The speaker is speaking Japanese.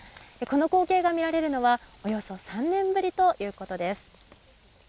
この光景が見られるのはおよそ３年ぶりということです。